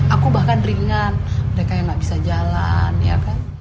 aku bahkan ringan mereka yang nggak bisa jalan ya kan